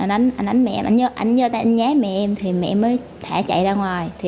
anh đánh mẹ em anh nhớ anh nhá mẹ em thì mẹ mới thả chạy ra ngoài